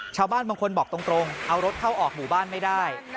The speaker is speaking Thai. ชาวบ้านบางคนบอกตรงเอารถเข้าออกหมู่บ้านไม่ได้